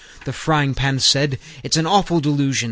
V. The Frying pan said, "It's an awful delusion!"